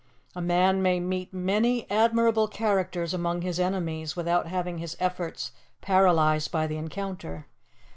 A man may meet many admirable characters among his enemies without having his efforts paralyzed by the encounter.